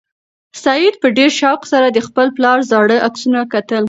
سعید په ډېر شوق سره د خپل پلار زاړه عکسونه کتل.